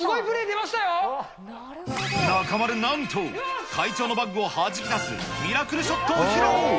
中丸、なんと会長のバッグをはじき出すミラクルショットを披露。